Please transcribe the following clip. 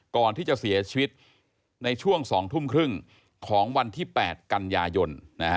ก่อนที่จะเสียชีวิตในช่วง๒ทุ่มครึ่งของวันที่๘กันยายน